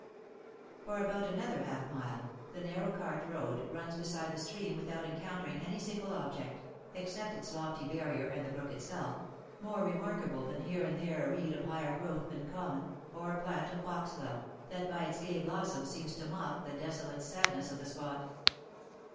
OF MICHAEL ARMSTRONG. 181 For about another half mile, the narrow cart road runs beside the stream without encountering any single object, except its lofty barrier and the brook itself, more remarkable than here and there a reed of higher growth than common, or a plant of Foxglove, that by its gay blossom seems to mock the desolate sadness of the spot.